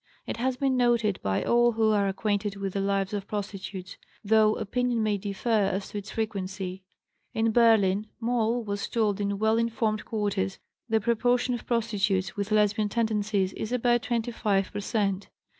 It has been noted by all who are acquainted with the lives of prostitutes, though opinion may differ as to its frequency. In Berlin, Moll was told in well informed quarters, the proportion of prostitutes with Lesbian tendencies is about 25 per cent.